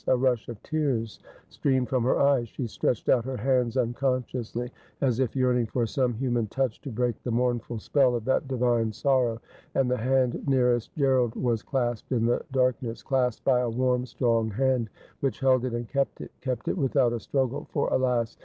A rush of tears streamed from her eyes ; she stretched out her ^Forbid a Love and it is ten Times so loode.' 291 hands unconsciously, as if yearning for some human touch to break the mournful spell of that divine sorrow, and the hand nearest G erald was clasped in the darkness ; clasped by a warm strong hand which held it and kept it— kept it without a struggle, for, alas